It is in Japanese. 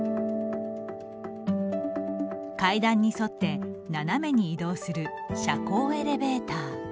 階段に沿って斜めに移動する斜行エレベーター。